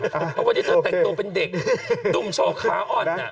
เพราะว่าเจ้าแตกตัวเป็นเด็กดุ่มโชว์ค้าอ้อนนะ